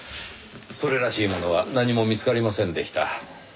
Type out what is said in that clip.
それらしいものは何も見つかりませんでした。